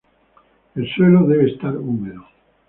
El suelo debe estar húmedo.